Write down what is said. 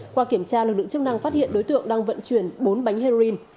qua kiểm tra lực lượng chức năng phát hiện đối tượng đang vận chuyển bốn bánh heroin